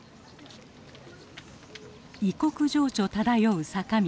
異国情緒漂う坂道